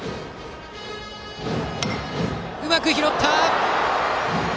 うまく拾った！